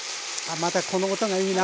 またこの音がいいな。